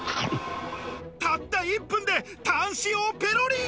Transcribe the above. たった１分でタン塩をペロリ！